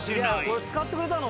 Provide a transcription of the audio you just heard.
これ使ってくれたの？